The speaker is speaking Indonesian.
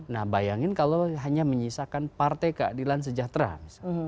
nah bayangin kalau hanya menyisakan partai keadilan sejahtera misalnya